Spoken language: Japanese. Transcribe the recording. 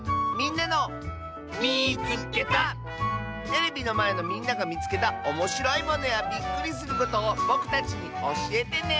テレビのまえのみんながみつけたおもしろいものやびっくりすることをぼくたちにおしえてね！